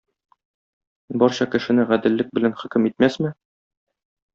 Барча кешене гаделлек белән хөкем итмәсме?